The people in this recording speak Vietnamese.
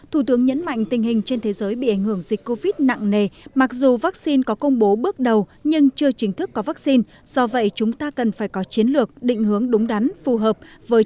thủ tướng nhấn mạnh tình hình trên thế giới bị ảnh hưởng dịch covid nặng nề mặc dù vaccine có công bố bước đầu nhưng chưa chính thức có vaccine do vậy chúng ta cần phải có chiến lược định hướng đúng đắn phù hợp